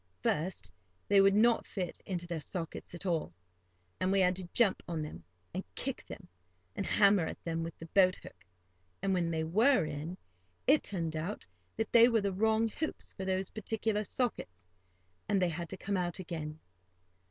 First they would not fit into their sockets at all, and we had to jump on them, and kick them, and hammer at them with the boat hook; and, when they were in, it turned out that they were the wrong hoops for those particular sockets, and they had to come out again.